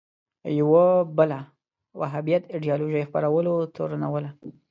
یوه بله وهابیت ایدیالوژۍ خپرولو تورنوله